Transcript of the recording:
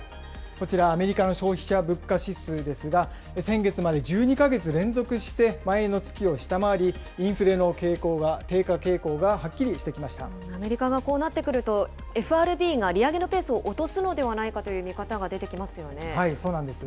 こちら、アメリカの消費者物価指数ですが、先月まで１２か月連続して、前の月を下回り、インフレの傾向が、低下傾向がはっきりしアメリカがこうなってくると、ＦＲＢが利上げのペースを落とすのではないかという見方が出てきそうなんです。